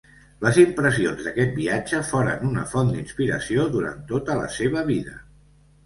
Les impressions d'aquest viatge foren una font d'inspiració durant tota la seva vida.